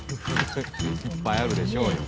いっぱいあるでしょうよ。